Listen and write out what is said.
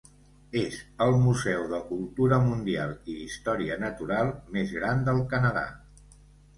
És el museu de cultura mundial i història natural més gran del Canadà.